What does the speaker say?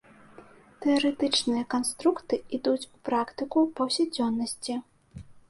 Тэарэтычныя канструкты ідуць у практыку паўсядзённасці.